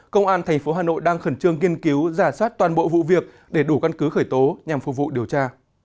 công an tp hà nội đang khẩn trương nghiên cứu giả soát toàn bộ vụ việc để đủ căn cứ khởi tố nhằm phục vụ điều tra